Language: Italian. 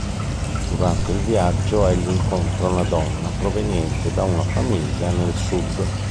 Durante il viaggio egli incontra una donna proveniente da una famiglia nel sud.